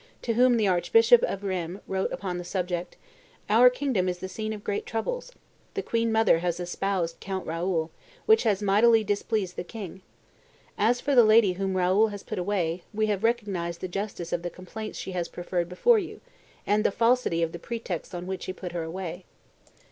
to whom the archbishop of Rheims wrote upon the subject, "Our kingdom is the scene of great troubles. The queen mother has espoused Count Raoul, which has mightily displeased the king. As for the lady whom Raoul has put away, we have recognized the justice of the complaints she has preferred before you, and the falsity of the pre texts on which he put her away."